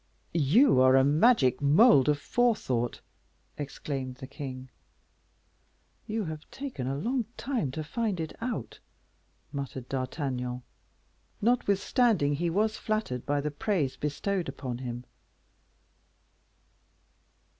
"You are a magic mould of forethought," exclaimed the king. "You have taken a long time to find it out," muttered D'Artagnan, notwithstanding he was flattered by the praise bestowed upon him.